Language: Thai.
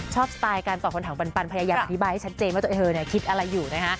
ชอบสไตล์การต่อคนถามปันปันพยายามอธิบายให้ชัดเจมส์ว่าเธอคิดอะไรอยู่นะฮะ